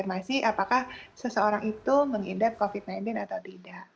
dan bisa diterima konfirmasi apakah seseorang itu menghidap covid sembilan belas atau tidak